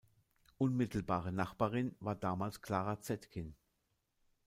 Unmittelbare Nachbarin war damals Clara Zetkin.